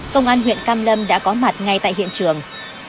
công an huyện cam lâm đã có mặt ngay tại hiện trường